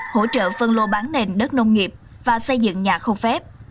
hỗ trợ phân lô bán nền đất nông nghiệp và xây dựng nhà không phép